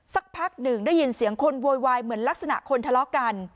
สักพักหนึ่งได้ยินเสียงคนโวยวายเหมือนลักษณะคนทะเลาะกัน